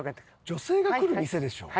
女性が来る店でしょ？